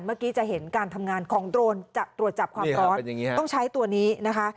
เมื่อกี้จะเห็นการทำงานของโดรนตรวจจับความร้อนต้องใช้ตัวนี้นะคะ